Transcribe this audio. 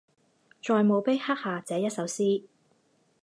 在墓碑刻下这一首诗